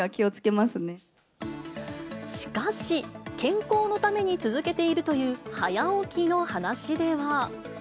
しかし、健康のために続けているという早起きの話では。